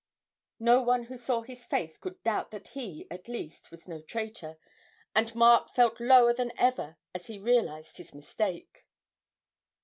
No one who saw his face could doubt that he, at least, was no traitor; and Mark felt lower than ever as he realised his mistake.